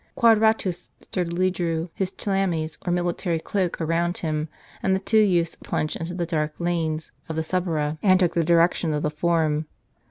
Quadratus stuirlily drew his chlamys, or military cloak, around him, and the two youths plunged into the dark lanes of the Suburra, and took the direction of the Forum.